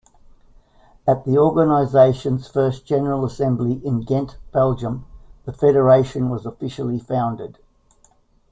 At the organisation's first general assembly, in Ghent, Belgium, the federation was officially founded.